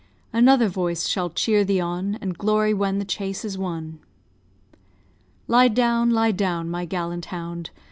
Another voice shall cheer thee on, And glory when the chase is won. Lie down, lie down, my gallant hound!